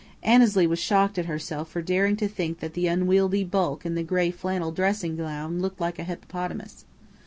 (Annesley was shocked at herself for daring to think that the unwieldy bulk in the gray flannel dressing gown looked like a hippopotamus.)